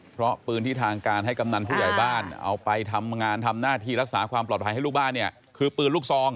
เพราะปืนที่ทางการให้กำนันผู้ใหญ่บ้านเอาไปทำงานทำหน้าที่รักษาความปลอดภัยให้ลูกบ้านเนี่ยคือปืนลูกซอง